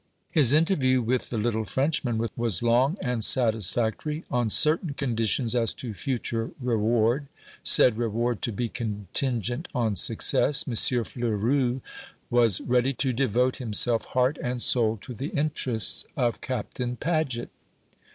His interview with the little Frenchman was long and satisfactory. On certain conditions as to future reward, said reward to be contingent on success, M. Fleurus was ready to devote himself heart and soul to the interests of Captain Paget.